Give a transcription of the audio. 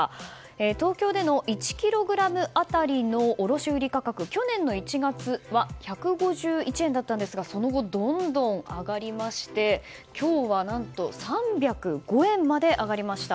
東京での１ｋｇ当たりの卸売価格は去年の１月は１５１円だったんですがその後どんどん上がりまして今日は何と３０５円まで上がりました。